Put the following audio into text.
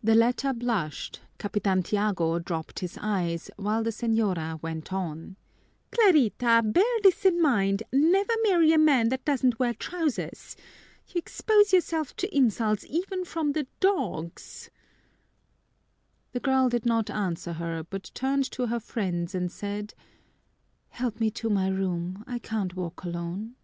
The latter blushed, Capitan Tiago dropped his eyes, while the señora went on: "Clarita, bear this in mind: never marry a man that doesn't wear trousers. You expose yourself to insults, even from the dogs!" The girl did not answer her, but turned to her friends and said, "Help me to my room, I can't walk alone."